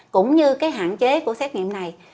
cũng như cái hạn chế của xét nghiệm này